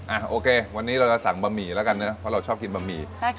โอเควันนี้เราจะสั่งบะหมี่แล้วกันเนอะเพราะเราชอบกินบะหมี่